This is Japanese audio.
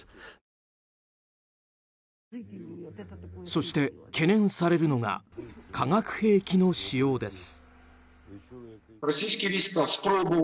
そして懸念されるのが化学兵器の使用です。